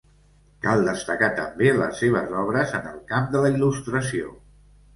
Cal destacar també les seves obres en el camp de la il·lustració.